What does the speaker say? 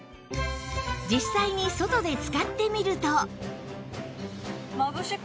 実際に外で使ってみると